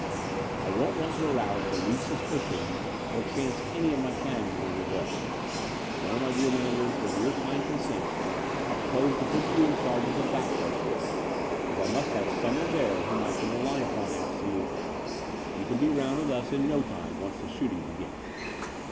*'I won't want to arouse the least suspicion or chance any of my plans going agley. No, my dear Manders, with your kind consent I propose to put you in charge of the back door squad, as I must have someone there whom I can rely upon absolutely. You can be rotmd with us in no time, once the shooting begins."